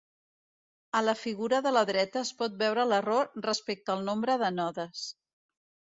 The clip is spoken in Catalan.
A la figura de la dreta es pot veure l'error respecte del nombre de nodes.